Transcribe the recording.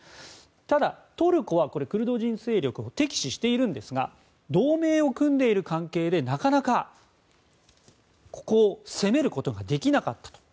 ただ、トルコはクルド人勢力を敵視しているんですが同盟を組んでいる関係でなかなかここを攻めることができなかったと。